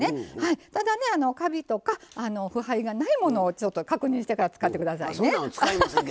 ただ、カビとか腐敗がないものを確認してから使ってくださいね。